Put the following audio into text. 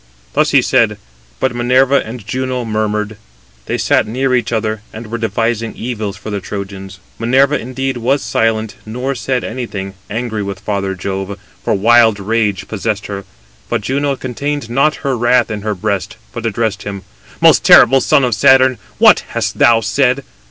Thus he said: but Minerva and Juno murmured. They sat near each other, and were devising evils for the Trojans. Minerva, indeed, was silent, nor said anything, angry with father Jove, for wild rage possessed her. But Juno contained not her wrath in her breast, but addressed him: "Most terrible son of Saturn, what hast thou said?